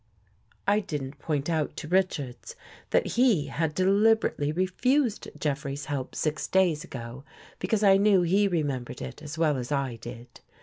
I didn't point out to Richards that he had deliber ately refused Jeffrey's help six days ago, because I knew he remembered it as well as I did.